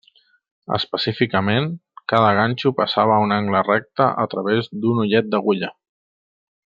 Específicament, cada ganxo passava a un angle recte a través d'un ullet d'agulla.